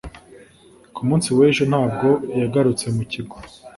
Ku munsi w'ejo ntabwo yagarutse mu kigo